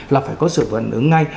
là phải có sự phản ứng ngay